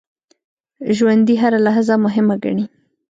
ژوندي هره لحظه مهمه ګڼي